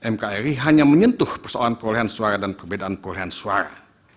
mkri hanya menyentuh persoalan perolehan suara dan perbedaan perolehan suara